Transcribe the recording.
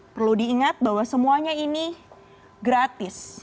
perlu diingat bahwa semuanya ini gratis